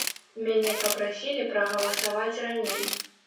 Мяне папрасілі прагаласаваць раней.